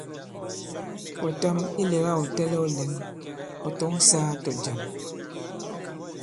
Wɛ̀tam ilɛ̀ga ɔ̀ tɛlɛ̄w lɛ̌n, ɔ̀ tɔ̌ŋ sāā tɔ̀jàm.